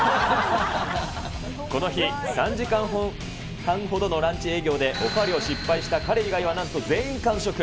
この日、３時間半ほどのランチ営業で、お代わりを失敗した彼以外はなんと全員完食。